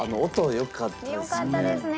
よかったですね。